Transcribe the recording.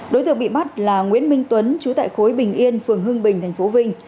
đối tượng bị bắt là nguyễn minh tuấn chú tại khối bình yên phường hưng bình tp vinh